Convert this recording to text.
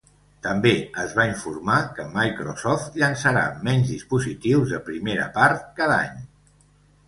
També es va informar que Microsoft llançarà menys dispositius de primera part cada any.